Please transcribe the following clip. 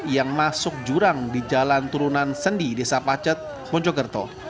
yang masuk jurang di jalan turunan sendi desa pacet mojokerto